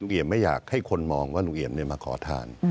เอี่ยมไม่อยากให้คนมองว่าลุงเอี่ยมมาขอทาน